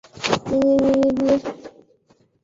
疏羽碎米蕨为中国蕨科碎米蕨属下的一个种。